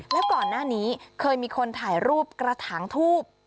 แล้วก่อนหน้านี้เคยมีคนถ่ายรูปกระถางทูบ